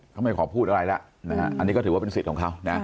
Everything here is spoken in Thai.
เขาไม่ขอพูดอะไรแล้วนะฮะอันนี้ก็ถือว่าเป็นสิทธิ์ของเขานะ